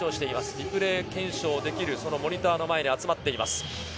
リプレー検証できるモニターの前に集まっています。